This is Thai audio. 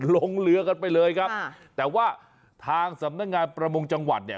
ลงเรือกันไปเลยครับแต่ว่าทางสำนักงานประมงจังหวัดเนี่ย